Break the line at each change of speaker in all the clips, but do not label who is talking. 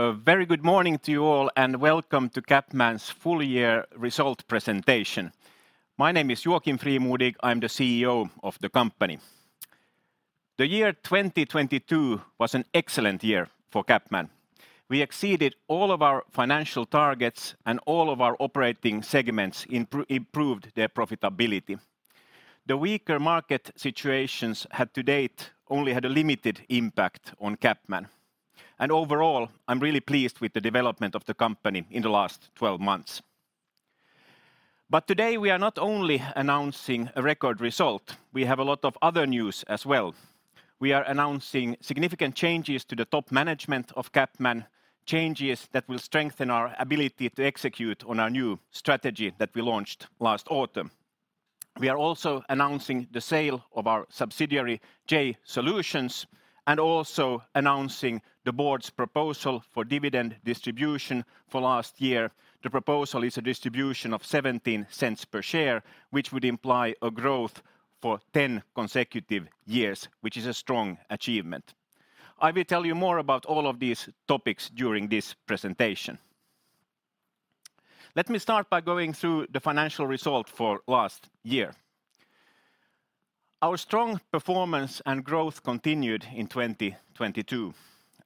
A very good morning to you all and welcome to CapMan's Full Year result presentation. My name is Joakim Frimodig. I'm the CEO of the company. The year 2022 was an excellent year for CapMan. We exceeded all of our financial targets and all of our operating segments improved their profitability. The weaker market situations had to date only had a limited impact on CapMan, and overall I'm really pleased with the development of the company in the last 12-months. Today we are not only announcing a record result, we have a lot of other news as well. We are announcing significant changes to the top management of CapMan, changes that will strengthen our ability to execute on our new strategy that we launched last autumn. We are also announcing the sale of our subsidiary, JAY Solutions, and also announcing the board's proposal for dividend distribution for last year. The proposal is a distribution of 0.17 per share, which would imply a growth for 10 consecutive years, which is a strong achievement. I will tell you more about all of these topics during this presentation. Let me start by going through the financial result for last year. Our strong performance and growth continued in 2022.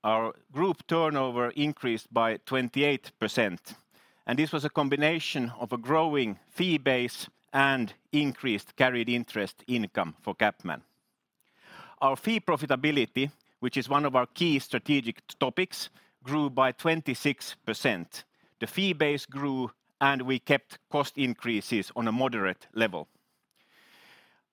Our group turnover increased by 28%, and this was a combination of a growing fee base and increased carried interest income for CapMan. Our fee profitability, which is one of our key strategic topics, grew by 26%. The fee base grew and we kept cost increases on a moderate level.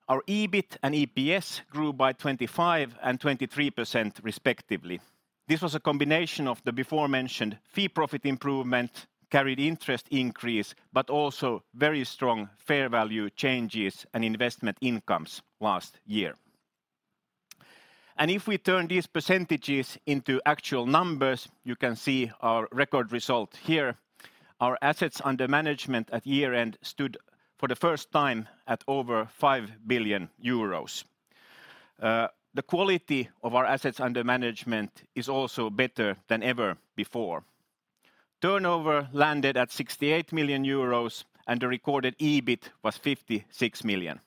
Our EBIT and EPS grew by 25% and 23% respectively. This was a combination of the before-mentioned fee profit improvement, carried interest increase, but also very strong fair value changes and investment incomes last year. If we turn these percentages into actual numbers, you can see our record result here. Our assets under management at year-end stood for the first time at over 5 billion euros. The quality of our assets under management is also better than ever before. Turnover landed at 68 million euros and the recorded EBIT was 56 million.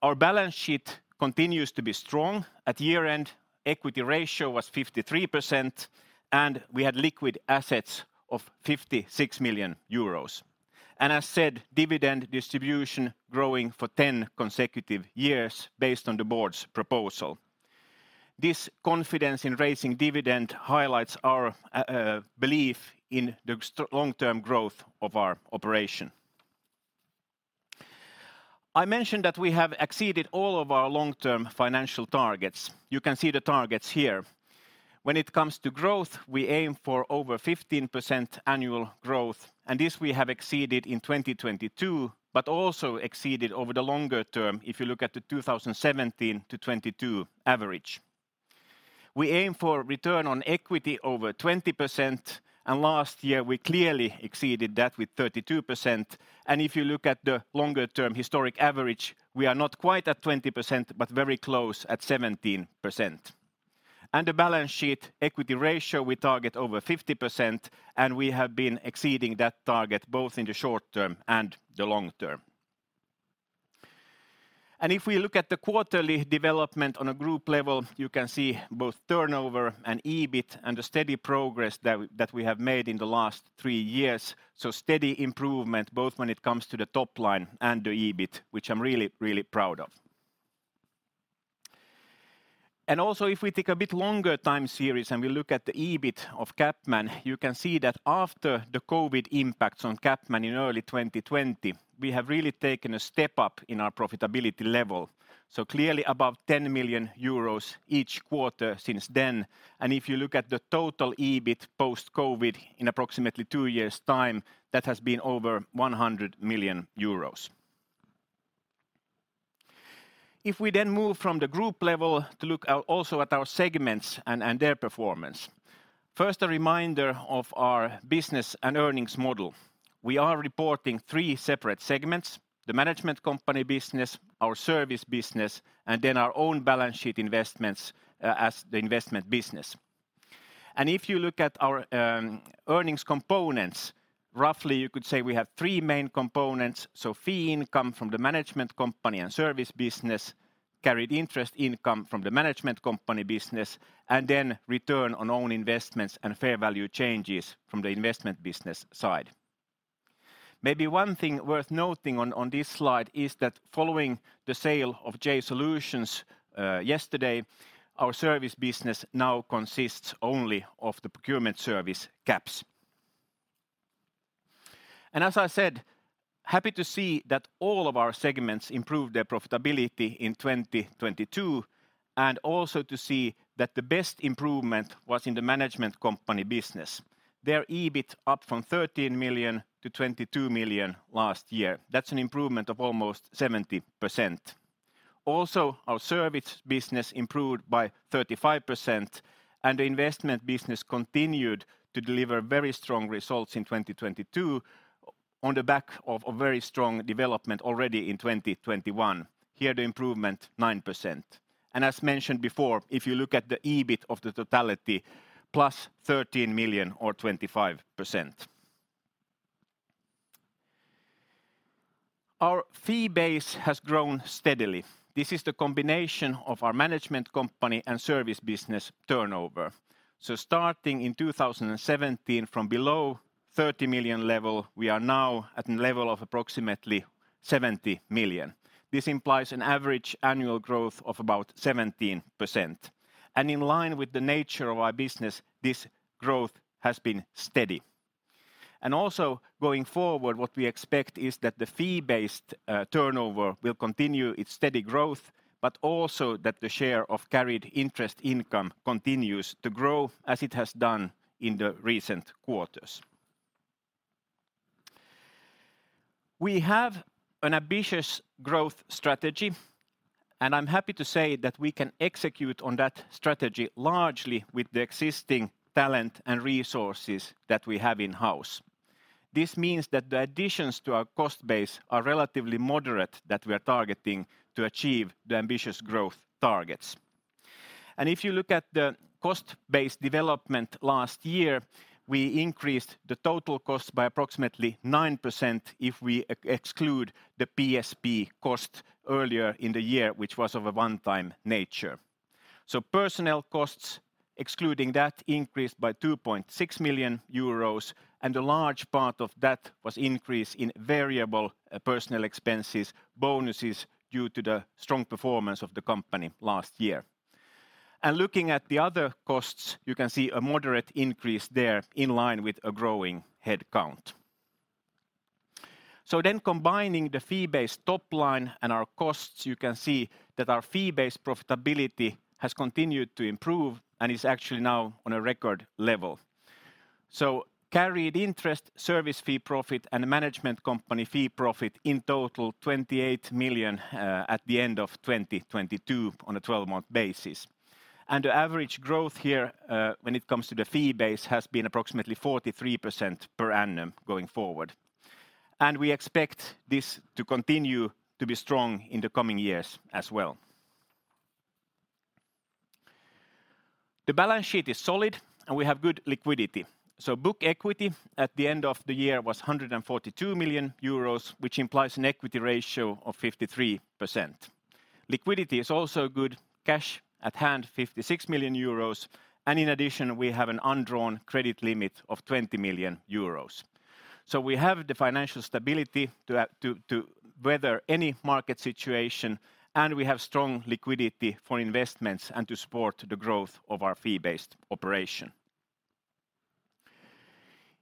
Our balance sheet continues to be strong. At year-end, equity ratio was 53% and we had liquid assets of 56 million euros. As said, dividend distribution growing for 10 consecutive years based on the board's proposal. This confidence in raising dividend highlights our belief in the long-term growth of our operation. I mentioned that we have exceeded all of our long-term financial targets. You can see the targets here. When it comes to growth, we aim for over 15% annual growth, and this we have exceeded in 2022, but also exceeded over the longer term if you look at the 2017-2022 average. We aim for return on equity over 20%, and last year we clearly exceeded that with 32%. If you look at the longer term historic average, we are not quite at 20% but very close at 17%. The balance sheet equity ratio, we target over 50% and we have been exceeding that target both in the short term and the long term. If we look at the quarterly development on a group level, you can see both turnover and EBIT and the steady progress that we have made in the last three years. Steady improvement both when it comes to the top line and the EBIT, which I'm really proud of. Also if we take a bit longer time series and we look at the EBIT of CapMan, you can see that after the COVID impacts on CapMan in early 2020, we have really taken a step up in our profitability level, clearly above 10 million euros each quarter since then. If you look at the total EBIT post-COVID in approximately two years' time, that has been over 100 million euros. If we move from the group level to look also at our segments and their performance. First, a reminder of our business and earnings model. We are reporting three separate segments: the management company business, our service business, and then our own balance sheet investments as the investment business. If you look at our earnings components, roughly you could say we have three main components: so fee income from the management company and service business, carried interest income from the management company business, and then return on own investments and fair value changes from the investment business side. Maybe one thing worth noting on this slide is that following the sale of JAY Solutions yesterday, our service business now consists only of the procurement service CaPS. As I said, happy to see that all of our segments improved their profitability in 2022, and also to see that the best improvement was in the management company business. Their EBIT up from 13 million to 22 million last year. That's an improvement of almost 70%. Also, our service business improved by 35% and the investment business continued to deliver very strong results in 2022. On the back of a very strong development already in 2021. Here the improvement 9%. As mentioned before, if you look at the EBIT of the totality, +13 million or 25%. Our fee base has grown steadily. This is the combination of our management company and service business turnover. Starting in 2017 from below 30 million level, we are now at a level of approximately 70 million. This implies an average annual growth of about 17%. In line with the nature of our business, this growth has been steady. Also going forward, what we expect is that the fee-based turnover will continue its steady growth, but also that the share of carried interest income continues to grow as it has done in the recent quarters. We have an ambitious growth strategy, and I'm happy to say that we can execute on that strategy largely with the existing talent and resources that we have in-house. This means that the additions to our cost base are relatively moderate that we're targeting to achieve the ambitious growth targets. If you look at the cost-based development last year, we increased the total cost by approximately 9% if we exclude the PSP cost earlier in the year, which was of a one-time nature. Personnel costs, excluding that increase by 2.6 million euros, a large part of that was increase in variable personal expenses, bonuses due to the strong performance of the company last year. Looking at the other costs, you can see a moderate increase there in line with a growing headcount. Combining the fee-based top line and our costs, you can see that our fee-based profitability has continued to improve and is actually now on a record level. Carried interest, service fee profit, and management company fee profit in total 28 million at the end of 2022 on a 12-month basis. The average growth here, when it comes to the fee base has been approximately 43% per annum going forward. We expect this to continue to be strong in the coming years as well. The balance sheet is solid, and we have good liquidity. Book equity at the end of the year was 142 million euros, which implies an equity ratio of 53%. Liquidity is also good. Cash at hand 56 million euros, and in addition, we have an undrawn credit limit of 20 million euros. We have the financial stability to weather any market situation, and we have strong liquidity for investments and to support the growth of our fee-based operation.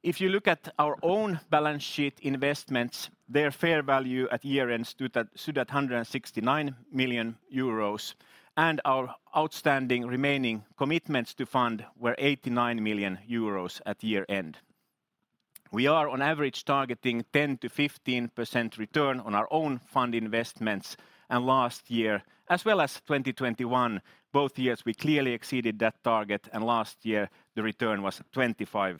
If you look at our own balance sheet investments, their fair value at year-efd stood at 169 million euros, and our outstanding remaining commitments to fund were 89 million euros at year-end. We are on average targeting 10%-15% return on our own fund investments. Last year, as well as 2021, both years we clearly exceeded that target, and last year the return was 25%.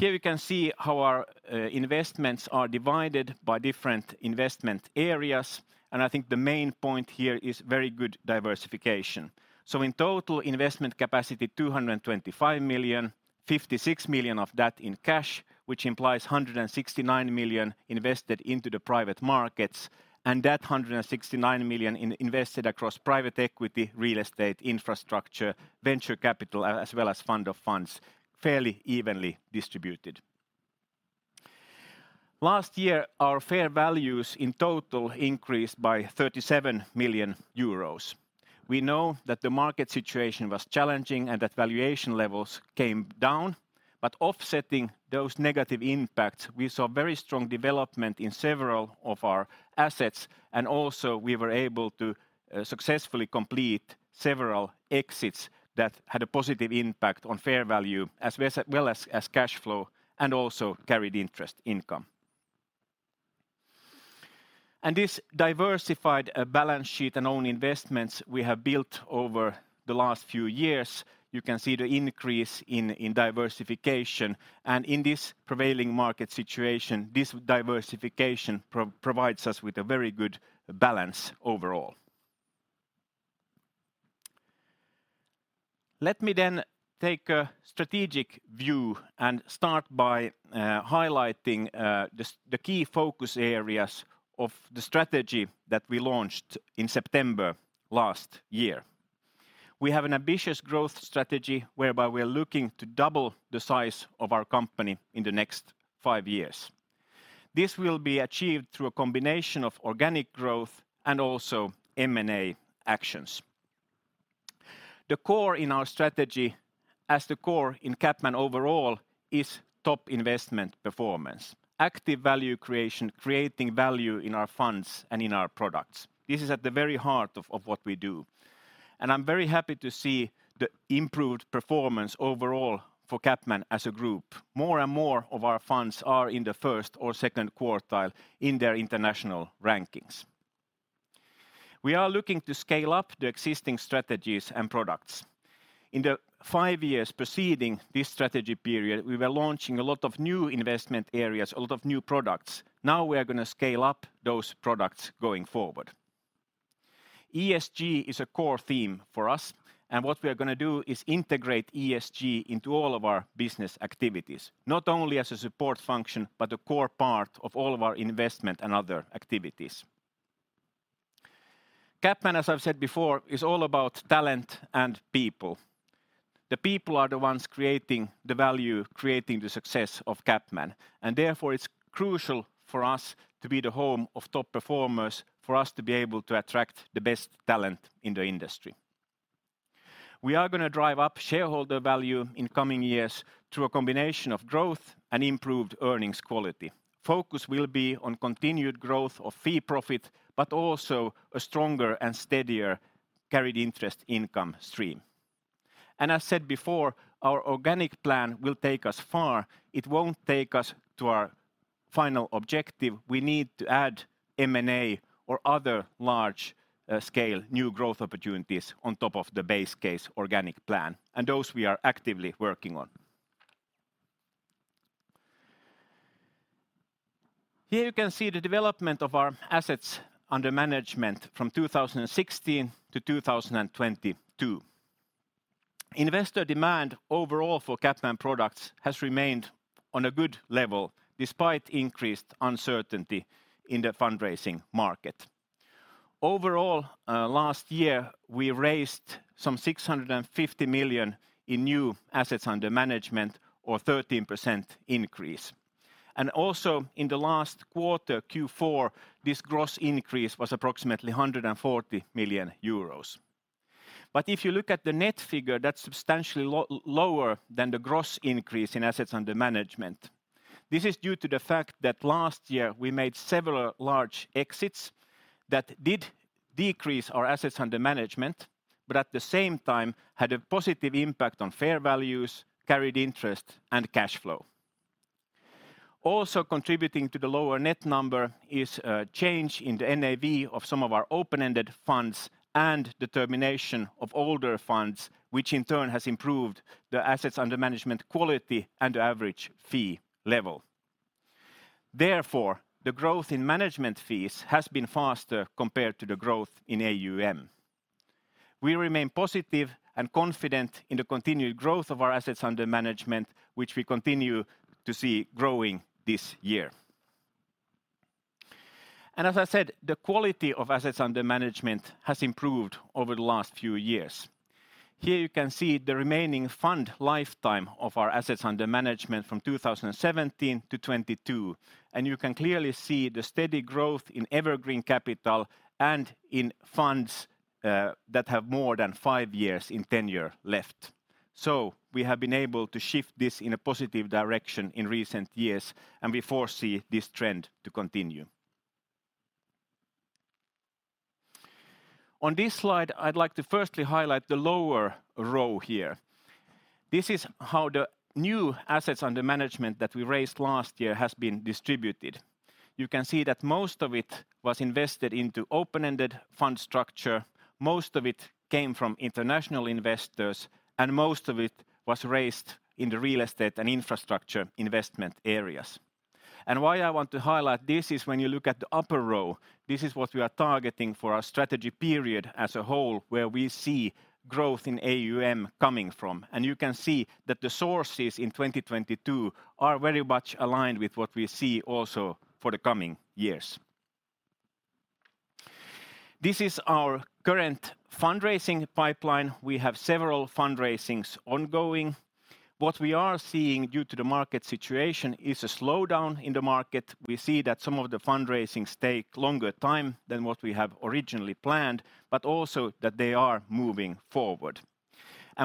Here you can see how our investments are divided by different investment areas, and I think the main point here is very good diversification. In total investment capacity 225 million, 56 million of that in cash, which implies 169 million invested into the private markets, and that 169 million invested across private equity, real estate, infrastructure, venture capital, as well as fund of funds, fairly evenly distributed. Last year, our fair values in total increased by 37 million euros. We know that the market situation was challenging and that valuation levels came down. Offsetting those negative impacts, we saw very strong development in several of our assets, and also we were able to successfully complete several exits that had a positive impact on fair value, as well as cash flow and also carried interest income. This diversified balance sheet and own investments we have built over the last few years, you can see the increase in diversification. In this prevailing market situation, this diversification provides us with a very good balance overall. Let me take a strategic view and start by highlighting the key focus areas of the strategy that we launched in September last year. We have an ambitious growth strategy whereby we are looking to double the size of our company in the next five years. This will be achieved through a combination of organic growth and also M&A actions. The core in our strategy, as the core in CapMan overall, is top investment performance. Active value creation, creating value in our funds and in our products. This is at the very heart of what we do. I'm very happy to see the improved performance overall for CapMan as a group. More and more of our funds are in the first or second quartile in their international rankings. We are looking to scale up the existing strategies and products. In the five years preceding this strategy period, we were launching a lot of new investment areas, a lot of new products. Now we are gonna scale up those products going forward. ESG is a core theme for us. What we are going to do is integrate ESG into all of our business activities, not only as a support function, but a core part of all of our investment and other activities. CapMan, as I've said before, is all about talent and people. The people are the ones creating the value, creating the success of CapMan. Therefore, it's crucial for us to be the home of top performers for us to be able to attract the best talent in the industry. We are going to drive up shareholder value in coming years through a combination of growth and improved earnings quality. Focus will be on continued growth of fee profit, also a stronger and steadier carried interest income stream. I said before, our organic plan will take us far. It won't take us to our final objective. We need to add M&A or other large-scale new growth opportunities on top of the base case organic plan. Those we are actively working on. Here you can see the development of our assets under management from 2016 to 2022. Investor demand overall for CapMan products has remained on a good level despite increased uncertainty in the fundraising market. Overall, last year we raised some 650 million in new assets under management or 13% increase. Also in the last quarter, Q4, this gross increase was approximately 140 million euros. If you look at the net figure, that's substantially lower than the gross increase in assets under management. This is due to the fact that last year we made several large exits that did decrease our assets under management, but at the same time had a positive impact on fair values, carried interest, and cash flow. Also contributing to the lower net number is a change in the NAV of some of our open-ended funds and the termination of older funds, which in turn has improved the assets under management quality and the average fee level. Therefore, the growth in management fees has been faster compared to the growth in AUM. We remain positive and confident in the continued growth of our assets under management, which we continue to see growing this year. As I said, the quality of assets under management has improved over the last few years. Here you can see the remaining fund lifetime of our assets under management from 2017 to 2022. You can clearly see the steady growth in evergreen capital and in funds that have more than five years in tenure left. We have been able to shift this in a positive direction in recent years. We foresee this trend to continue. On this slide, I'd like to firstly highlight the lower row here. This is how the new assets under management that we raised last year has been distributed. You can see that most of it was invested into open-ended fund structure, most of it came from international investors. Most of it was raised in the real estate and infrastructure investment areas. Why I want to highlight this is when you look at the upper row, this is what we are targeting for our strategy period as a whole, where we see growth in AUM coming from. You can see that the sources in 2022 are very much aligned with what we see also for the coming years. This is our current fundraising pipeline. We have several fundraisings ongoing. What we are seeing due to the market situation is a slowdown in the market. We see that some of the fundraisings take longer time than what we have originally planned, but also that they are moving forward.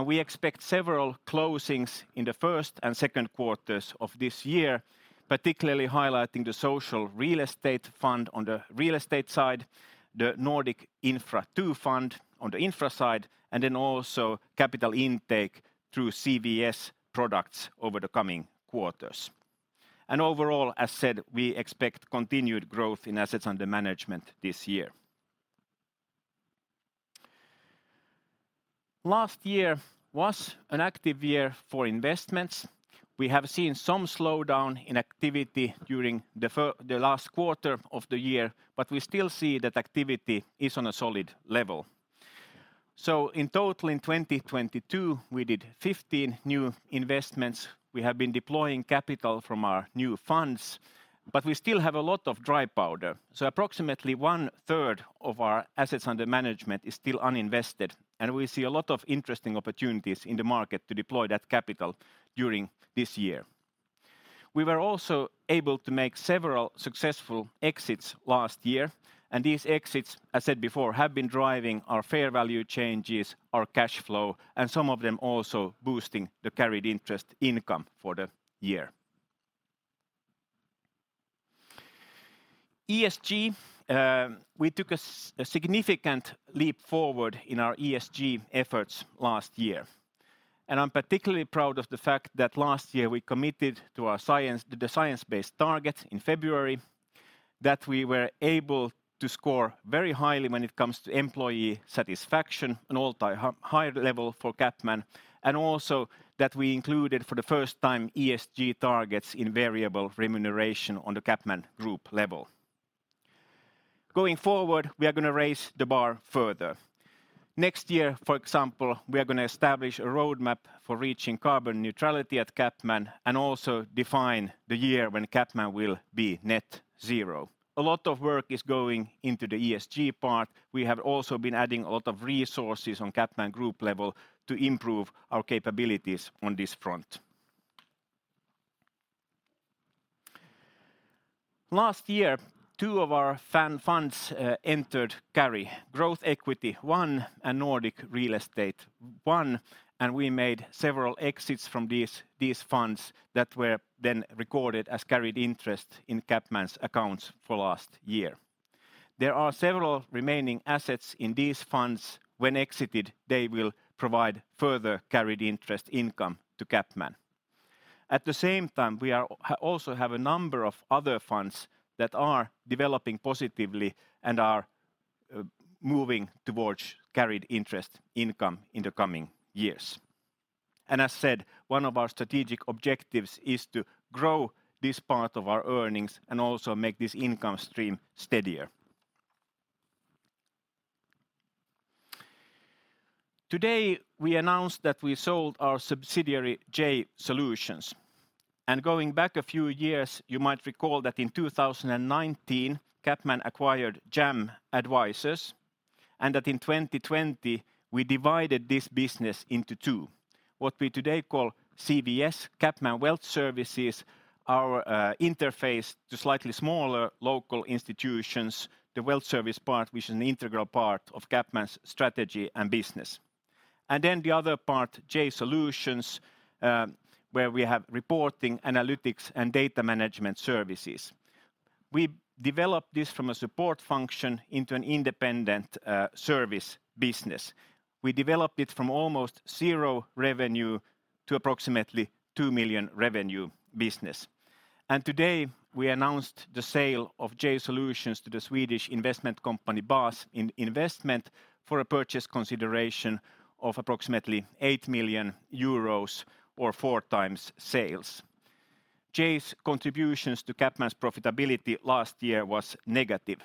We expect several closings in the first and second quarter of this year, particularly highlighting the Social Real Estate Fund on the real estate side, the Nordic Infrastructure II Fund on the infra side, then also capital intake through CWS products over the coming quarters. Overall, as said, we expect continued growth in assets under management this year. Last year was an active year for investments. We have seen some slowdown in activity during the last quarter of the year, but we still see that activity is on a solid level. In total, in 2022, we did 15 new investments. We have been deploying capital from our new funds, but we still have a lot of dry powder. Approximately one-third of our assets under management is still uninvested, and we see a lot of interesting opportunities in the market to deploy that capital during this year. We were also able to make several successful exits last year, and these exits, I said before, have been driving our fair value changes, our cash flow, and some of them also boosting the carried interest income for the year. ESG, we took a significant leap forward in our ESG efforts last year. I'm particularly proud of the fact that last year we committed to our science-based target in February, that we were able to score very highly when it comes to employee satisfaction an all-time higher level for CapMan, and also that we included for the first time ESG targets in variable remuneration on the CapMan group level. Going forward, we are going to raise the bar further. Next year, for example, we are going to establish a roadmap for reaching carbon neutrality at CapMan and also define the year when CapMan will be net zero. A lot of work is going into the ESG part. We have also been adding a lot of resources on CapMan group level to improve our capabilities on this front. Last year, two of our funds entered carry: Growth Equity I and Nordic Real Estate I, and we made several exits from these funds that were then recorded as carried interest in CapMan's accounts for last year. There are several remaining assets in these funds. When exited, they will provide further carried interest income to CapMan. At the same time, we also have a number of other funds that are developing positively and are moving towards carried interest income in the coming years. As said, one of our strategic objectives is to grow this part of our earnings and also make this income stream steadier. Today we announced that we sold our subsidiary, JAY Solutions. Going back a few years, you might recall that in 2019, CapMan acquired JAM Advisors, and that in 2020 we divided this business into two. What we today call CWS, CapMan Wealth Services, our interface to slightly smaller local institutions, the wealth service part which is an integral part of CapMan's strategy and business. The other part, JAY Solutions, where we have reporting, analytics, and data management services. We developed this from a support function into an independent service business. We developed it from almost 0 revenue to approximately 2 million revenue business. Today we announced the sale of JAY Solutions to the Swedish investment company Bas Invest AB for a purchase consideration of approximately 8 million euros or four times sales. JAY's contributions to CapMan's profitability last year was negative.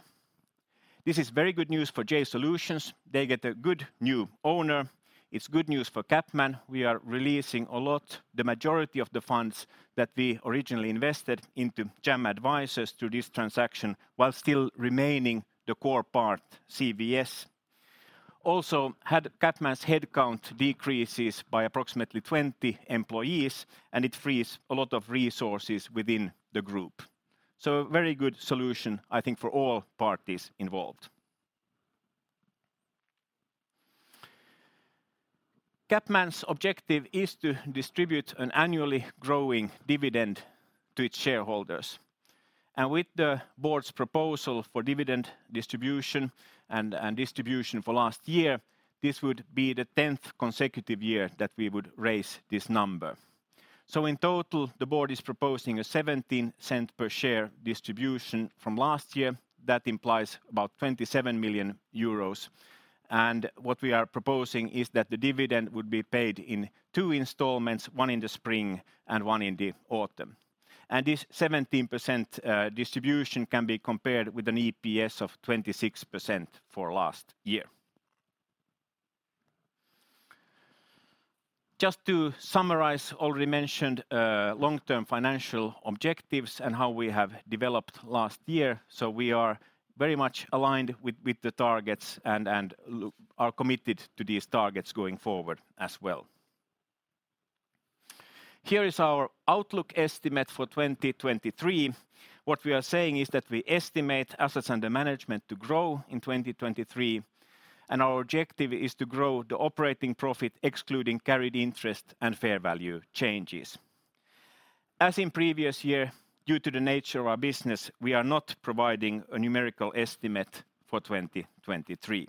This is very good news for JAY Solutions. They get a good new owner. It's good news for CapMan. We are releasing a lot, the majority of the funds that we originally invested into JAM Advisors to this transaction while still remaining the core part, CWS. CapMan's head count decreases by approximately 20 employees, and it frees a lot of resources within the group. Very good solution I think for all parties involved. CapMan's objective is to distribute an annually growing dividend to its shareholders. With the board's proposal for dividend distribution and distribution for last year, this would be the 10th consecutive year that we would raise this number. In total, the board is proposing a 0.17 per share distribution from last year. That implies about 27 million euros. What we are proposing is that the dividend would be paid in two installments, one in the spring and one in the autumn. This 17% distribution can be compared with an EPS of 26% for last year. Just to summarize already mentioned long-term financial objectives and how we have developed last year, we are very much aligned with the targets and are committed to these targets going forward as well. Here is our outlook estimate for 2023. What we are saying is that we estimate assets under management to grow in 2023, and our objective is to grow the operating profit excluding carried interest and fair value changes. As in previous year, due to the nature of our business, we are not providing a numerical estimate for 2023.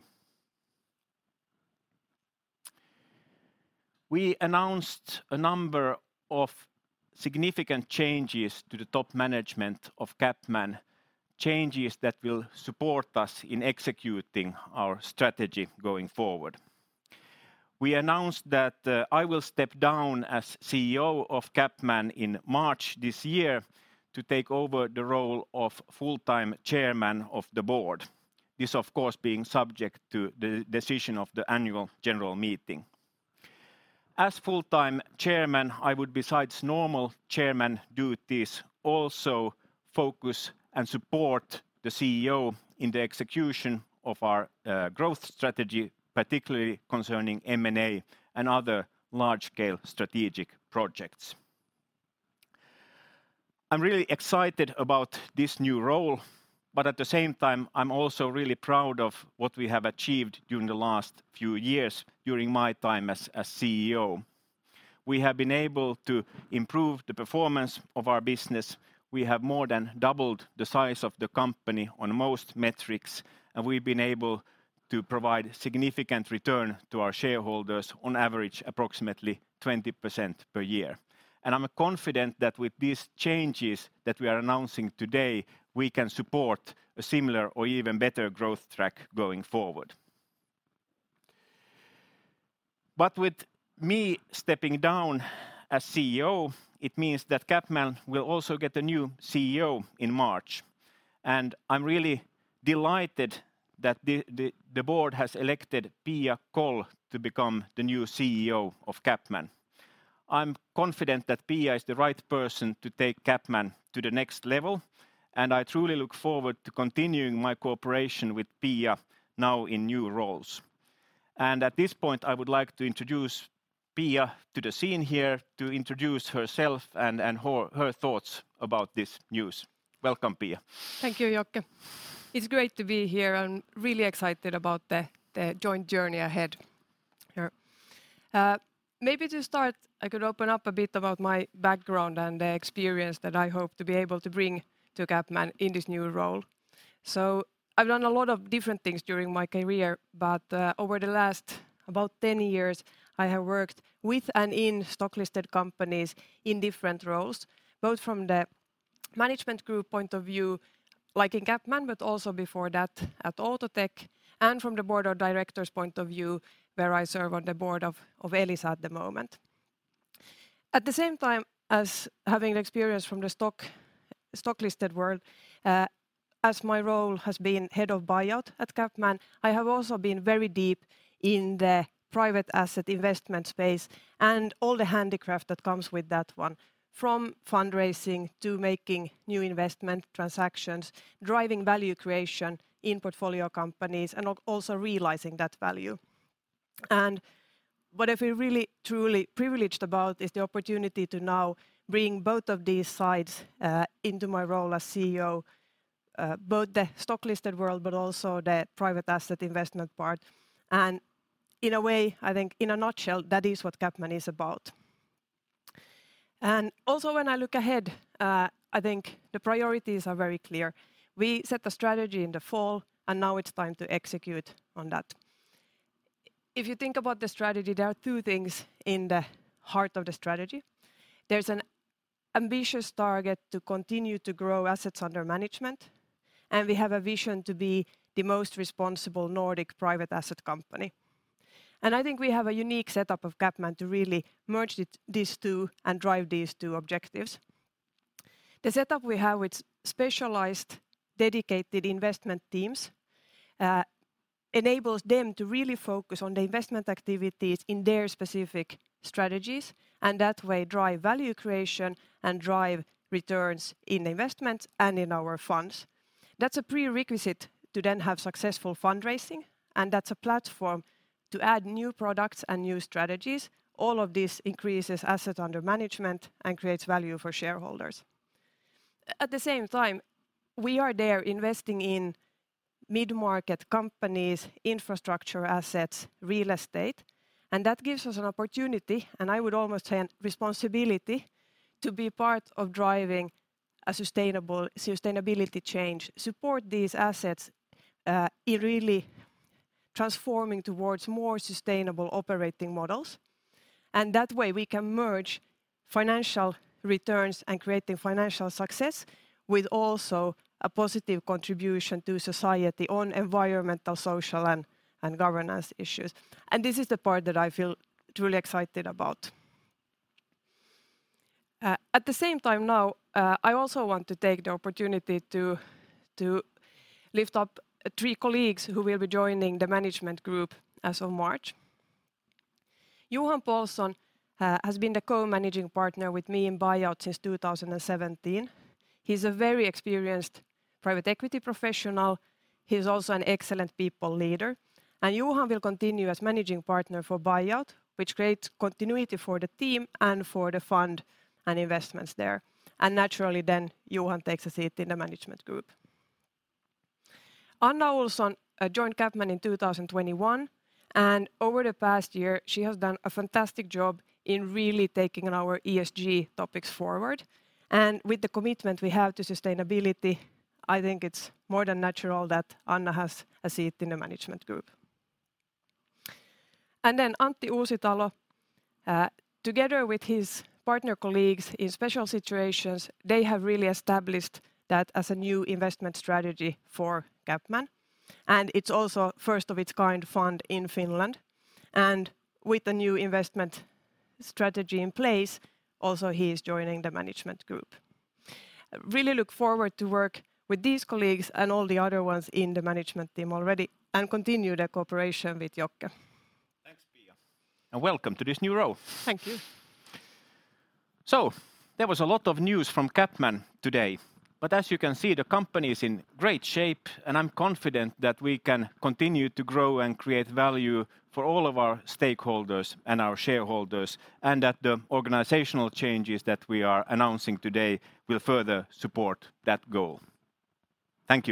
We announced a number of significant changes to the top management of CapMan, changes that will support us in executing our strategy going forward. We announced that I will step down as CEO of CapMan in March this year to take over the role of full-time chairman of the board. This of course being subject to the decision of the annual general meeting. As full-time chairman, I would, besides normal chairman duties, also focus and support the CEO in the execution of our growth strategy, particularly concerning M&A and other large-scale strategic projects. I'm really excited about this new role, but at the same time, I'm also really proud of what we have achieved during the last few years during my time as CEO. We have been able to improve the performance of our business. We have more than doubled the size of the company on most metrics, and we've been able to provide significant return to our shareholders, on average approximately 20% per year. I'm confident that with these changes that we are announcing today, we can support a similar or even better growth track going forward. With me stepping down as CEO, it means that CapMan will also get a new CEO in March. I'm really delighted that the board has elected Pia Kåll to become the new CEO of CapMan. I'm confident that Pia is the right person to take CapMan to the next level. I truly look forward to continuing my cooperation with Pia now in new roles. At this point, I would like to introduce Pia to the scene here to introduce herself and her thoughts about this news. Welcome, Pia.
Thank you, Joakim. It's great to be here. I'm really excited about the joint journey ahead here. Maybe to start, I could open up a bit about my background and the experience that I hope to be able to bring to CapMan in this new role. I've done a lot of different things during my career, but over the last about 10 years, I have worked with and in stock-listed companies in different roles, both from the management group point of view, like in CapMan, but also before that at Outotec, and from the board of director's point of view, where I serve on the board of Elisa at the moment. At the same time as having experience from the stock-listed world, as my role has been Head of Buyout at CapMan, I have also been very deep in the private asset investment space and all the handicraft that comes with that one, from fundraising to making new investment transactions, driving value creation in portfolio companies, and also realizing that value. What I feel really truly privileged about is the opportunity to now bring both of these sides into my role as CEO, both the stock-listed world, but also the private asset investment part. In a way, I think in a nutshell, that is what CapMan is about. Also when I look ahead, I think the priorities are very clear. We set the strategy in the fall, and now it's time to execute on that. If you think about the strategy, there are two things in the heart of the strategy. There's an ambitious target to continue to grow assets under management, and we have a vision to be the most responsible Nordic private asset company. I think we have a unique setup of CapMan to really merge these two and drive these two objectives. The setup we have with specialized dedicated investment teams enables them to really focus on the investment activities in their specific strategies, and that way drive value creation and drive returns in investments and in our funds. That's a prerequisite to then have successful fundraising. That's a platform to add new products and new strategies. All of this increases assets under management and creates value for shareholders. At the same time, we are there investing in mid-market companies, infrastructure assets, real estate, and that gives us an opportunity, and I would almost say an responsibility to be part of driving a sustainable sustainability change, support these assets in really transforming towards more sustainable operating models. That way we can merge financial returns and creating financial success with also a positive contribution to society on environmental, social, and governance issues. This is the part that I feel truly excited about. At the same time now, I also want to take the opportunity to lift up three colleagues who will be joining the management group as of March. Johan Pålsson has been the Co-Managing Partner with me in buyout since 2017. He's a very experienced private equity professional. He's also an excellent people leader. Johan Pålsson will continue as Managing Partner for Buyout, which creates continuity for the team and for the fund and investments there. Naturally then, Johan Pålsson takes a seat in the management group. Anna Olsson joined CapMan in 2021, and over the past year, she has done a fantastic job in really taking our ESG topics forward. With the commitment we have to sustainability, I think it's more than natural that Anna has a seat in the management group. Then Antti Uusitalo, together with his partner colleagues in Special Situations, they have really established that as a new investment strategy for CapMan, and it's also first of its kind fund in Finland. With the new investment strategy in place, also he is joining the management group. Really look forward to work with these colleagues and all the other ones in the management team already and continue the cooperation with Joakim.
Thanks, Pia. Welcome to this new role.
Thank you.
There was a lot of news from CapMan today, but as you can see, the company is in great shape, and I'm confident that we can continue to grow and create value for all of our stakeholders and our shareholders, and that the organizational changes that we are announcing today will further support that goal. Thank you.